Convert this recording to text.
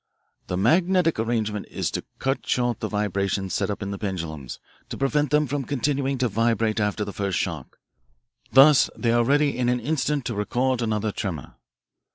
"The magnetic arrangement is to cut short the vibrations set up in the pendulums, to prevent them from continuing to vibrate after the first shock. Thus they are ready in an instant to record another tremor.